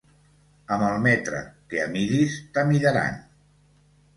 Amb el metre que amidis t'amidaran.